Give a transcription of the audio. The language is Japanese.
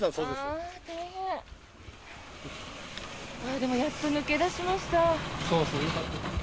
でもやっと抜け出しました。